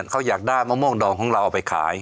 เขาอยากได้มะม่วงดองของเราเอาไปขาย